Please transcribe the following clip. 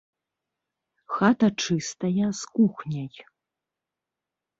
Хата чыстая з кухняй.